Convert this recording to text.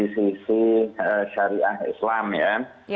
sisi syariah islam ya